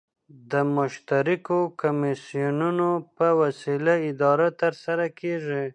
د مشترکو کمېسیونو په وسیله اداره ترسره کيږي.